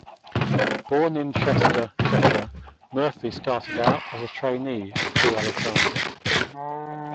Born in Chester, Cheshire, Murphy started out as a trainee at Crewe Alexandra.